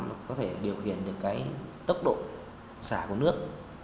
thứ hai là họ có thể điều khiển được cái tốc độ xả của nước